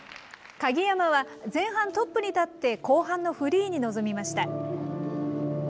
鍵山は前半トップに立って、後半のフリーに臨みました。